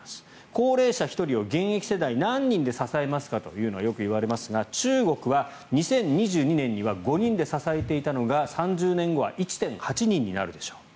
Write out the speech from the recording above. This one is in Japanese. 高齢者１人を現役世代何人で支えますかというのはよく言われますが中国は２０２２年には５人で支えていたのが３０年後は１．８人になるでしょう。